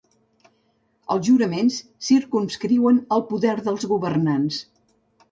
Els juraments circumscriuen el poder dels governants.